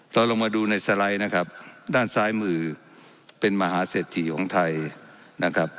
เราลงมาดูในสไลด์นะครับด้านซ้ายมือเป็นมหาเศรษฐีของไทยนะครับ